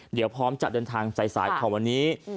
เดี๋ยวพร้อมจะเดินทางสายของวันนี้